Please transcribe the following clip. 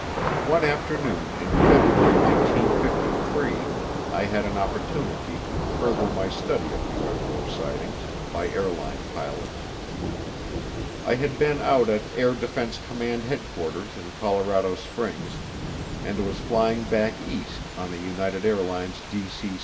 One afternoon in February 1953 I had an opportunity to further my study of UFO sightings by airline pilots. I had been out at Air Defense Command Headquarters in Colorado Springs and was flying back East on a United Airlines DC 6.